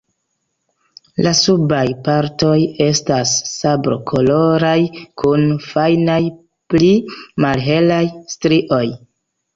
La subaj partoj estas sablokoloraj kun fajnaj pli malhelaj strioj.